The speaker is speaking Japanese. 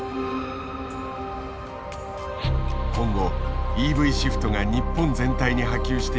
「今後ＥＶシフトが日本全体に波及していけば